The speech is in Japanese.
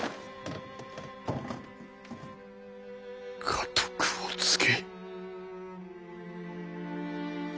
家督を継げ。